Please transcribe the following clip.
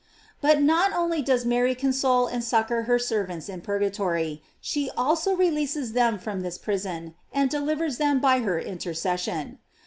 * But not only does Mary console and succor her servants in purgatory; she also releases them from this prison, and delivers them by her intercession.